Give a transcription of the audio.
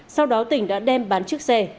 sau đó tỉnh đã đem bán chiếc xe